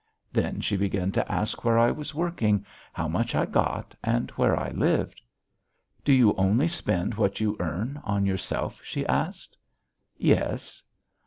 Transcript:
Then she began to ask where I was working, how much I got, and where I lived. "Do you only spend what you earn on yourself?" she asked. "Yes."